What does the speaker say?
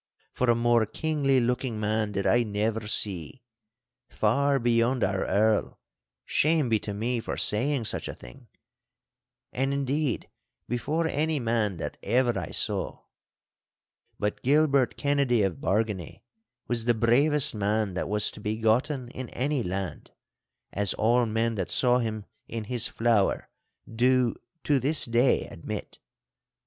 For a more kingly looking man did I never see—far beyond our Earl (shame be to me for saying such a thing!), and, indeed, before any man that ever I saw. But Gilbert Kennedy of Bargany was the bravest man that was to be gotten in any land, as all men that saw him in his flower do to this day admit.